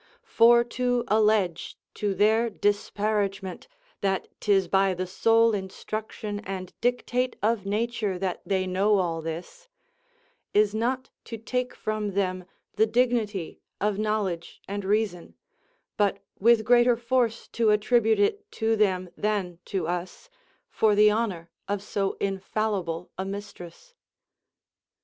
For to allege, to their disparagement, that 'tis by the sole instruction and dictate of nature that they know all this, is not to take from them the dignity of knowledge and reason, but with greater force to attribute it to them than to us, for the honour of so infallible a mistress.